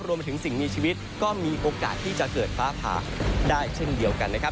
รวมไปถึงสิ่งมีชีวิตก็มีโอกาสที่จะเกิดฟ้าผ่าได้เช่นเดียวกันนะครับ